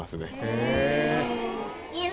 へえ。